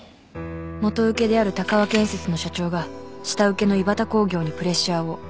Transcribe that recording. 元請けである鷹和建設の社長が下請けのイバタ工業にプレッシャーを